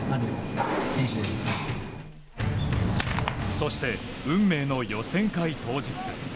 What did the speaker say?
そして、運命の予選会当日。